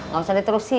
gak usah diterusin